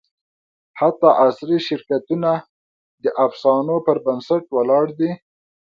حتی عصري شرکتونه د افسانو پر بنسټ ولاړ دي.